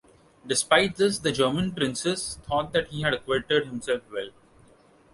Despite this, the German princes thought that he had acquitted himself well.